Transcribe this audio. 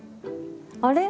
あれ？